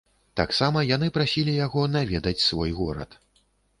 Таксама яны прасілі яго наведаць свой горад.